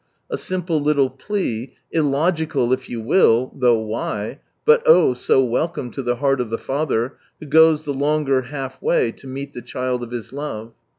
A simple little plea, "illogical" if you will (though why ?), but oh i so welcome to the heart of the Father, who goes the longer half way to meet the child of His love.